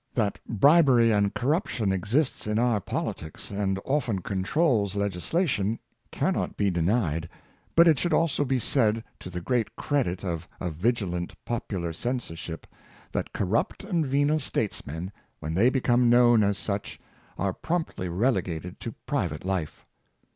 That bribery and corruption exists in our poli tics and often controls legislation cannot be denied. But it should also be said, to the great credit of a vigi lant popular censorship, that corrupt and venal states men, when they become known as such, are promptly relegated to private life.